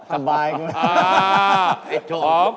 ันตรงที่หาใบ